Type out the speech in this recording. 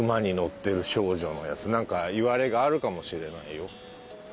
なんかいわれがあるかもしれないよ。